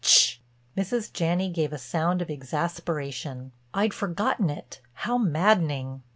"Tch!" Mrs. Janney gave a sound of exasperation. "I'd forgotten it. How maddening!